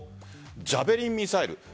ジャベリンミサイル。